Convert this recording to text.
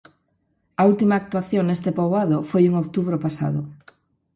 A última actuación neste poboado foi en outubro pasado.